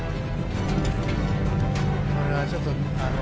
これはちょっとあの。